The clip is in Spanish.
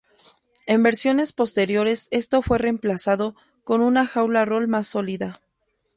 En versiones posteriores esto fue reemplazado con una jaula roll más sólida.